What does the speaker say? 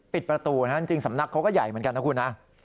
ปิดประตูนะฮะจริงสำนักเขาก็ใหญ่เหมือนกันนะคุณนะ